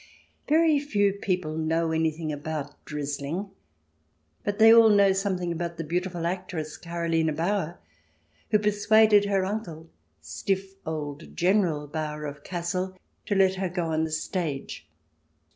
Very few people know anything about " drizzling," but they all know something about the beautiful actress, Karoline Bauer, who persuaded her uncle, stiff old General Bauer of Kassel, to let her go on the stage.